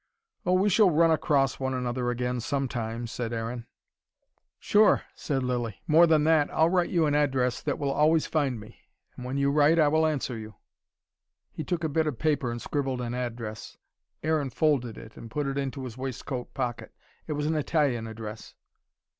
"Oh, we shall run across one another again some time," said Aaron. "Sure," said Lilly. "More than that: I'll write you an address that will always find me. And when you write I will answer you." He took a bit of paper and scribbled an address. Aaron folded it and put it into his waistcoat pocket. It was an Italian address.